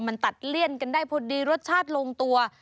มันตัดเลี่ยนกันได้พอดีรสชาติลงตัว